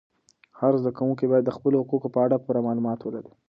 هر زده کوونکی باید د خپلو حقوقو په اړه پوره معلومات ولري.